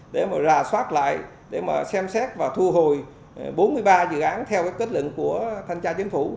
để mà rà soát lại để mà xem xét và thu hồi bốn mươi ba dự án theo cái kết luận của thanh tra chính phủ